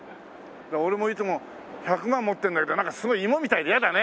俺もいつも１００万持ってるんだけどなんかすごいイモみたいで嫌だね。